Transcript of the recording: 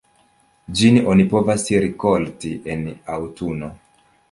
Ĝin oni povas rikolti en aŭtuno.